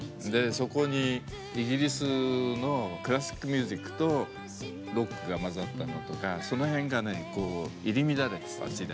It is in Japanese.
そこにイギリスのクラシックミュージックとロックが混ざったのとかその辺がねこう入り乱れてた時代。